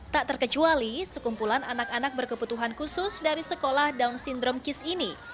tak terkecuali sekumpulan anak anak berkebutuhan khusus dari sekolah down syndrome kis ini